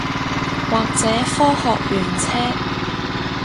或者科學園車